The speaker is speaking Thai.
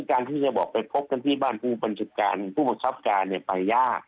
การที่จะบอกไปพบกันที่บ้านผู้บัญชาการผู้บังคับการไปยาก